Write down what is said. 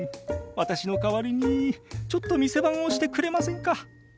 私の代わりにちょっと店番をしてくれませんか？